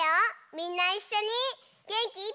みんないっしょにげんきいっぱい。